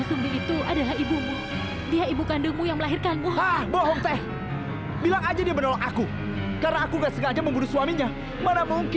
sampai jumpa di video selanjutnya